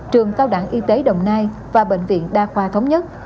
trường cao đẳng y tế đồng nai và bệnh viện đa khoa thống nhất